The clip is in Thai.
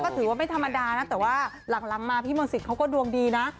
ก็ถือว่าไม่ธรรมดานะแต่ว่าหลังมาพี่มณศิษฐ์เค้าก็ดวงดีนะ